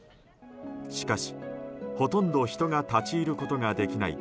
しかし、ほとんど人が立ち入ることができない